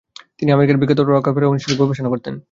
তিনি আমেরিকার বিখ্যাত রকাফেলার ইনস্টিটিউটে গবেষণা করতেন।